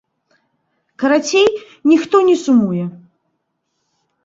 Карацей, ніхто не сумуе.